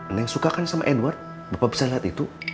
neng suka kan sama edward bapak bisa lihat itu